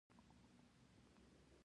نقصان ونه رسوي.